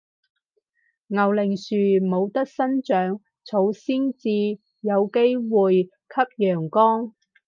牛令樹冇得生長，草先至有機會吸陽光